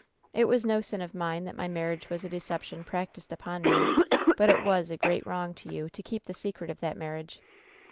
It was no sin of mine that my marriage was a deception practiced upon me ; but it was a great wrong to you to keep the secret of that marriage.